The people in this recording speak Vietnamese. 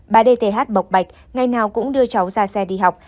bà dth mộc bạch ngày nào cũng đưa cháu ra xe đi học